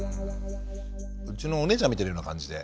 うちのお姉ちゃん見てるような感じで。